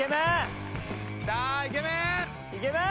イケメン！